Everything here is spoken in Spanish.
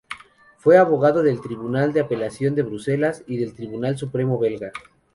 Fue abogado del Tribunal de Apelación de Bruselas y del Tribunal Supremo belga.